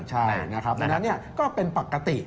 ใช่ดังนั้นก็เป็นปกติ